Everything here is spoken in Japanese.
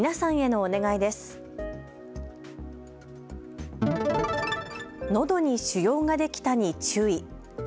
のどに腫瘍ができたに注意。